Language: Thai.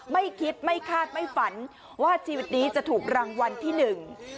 ไม่คิดไม่คาดไม่ฝันว่าชีวิตนี้จะถูกรางวัลที่หนึ่ง